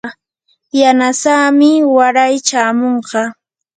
yanasamii waray chamunqa.